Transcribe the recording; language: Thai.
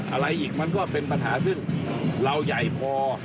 อะไรอีกมันก็เป็นปัญหาซึ่งเราใหญ่พอ